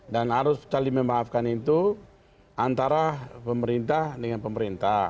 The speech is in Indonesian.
dan harus saling memaafkan itu antara pemerintah dengan pemerintah